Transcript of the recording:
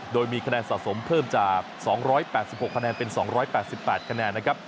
โดยมีคะแนนสะสมเพิ่มจาก๒๘๖คะแนนเป็น๒๘๘คะแนนนะครับ